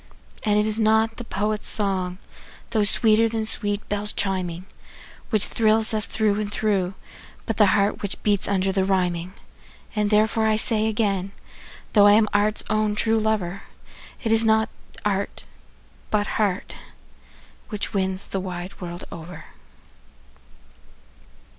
And it is not the poet's song, though sweeter than sweet bells chiming, Which thrills us through and through, but the heart which beats under the rhyming. And therefore I say again, though I am art's own true lover, That it is not art, but heart, which wins the wide world over.